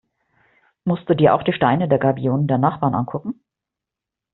Musst du dir auch die Steine der Gabionen der Nachbarn angucken?